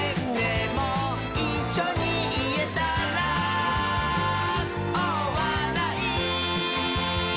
「いっしょにいえたら」「おおわらい」